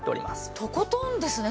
とことんですね